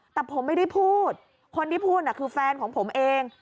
แต่ผมไม่ได้พูดคนที่พูดคือแฟนของผมเอง